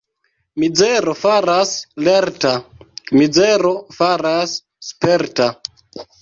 Mizero faras lerta, mizero faras sperta.